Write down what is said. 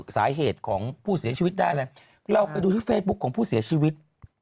สาเหตุของผู้เสียชีวิตได้อะไรเราไปดูที่เฟซบุ๊คของผู้เสียชีวิต